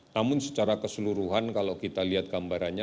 namun secara keseluruhan kalau kita lihat gambarannya